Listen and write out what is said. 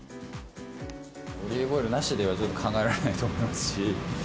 オリーブオイルなしでは、ちょっと考えられないと思いますし。